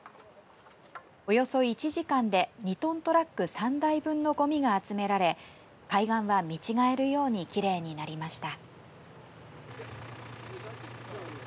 およそ１時間で２トントラック３台分のごみが集められ海岸は見違えるようにきれいになりました。